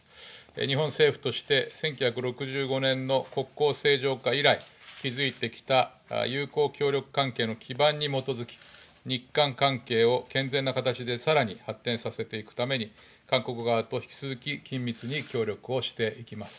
日本政府として１９６５年の国交正常化以来、築いてきた友好協力関係の基盤に基づき日韓関係を健全な形でさらに発展させていくために韓国側と引き続き緊密に協力していきます。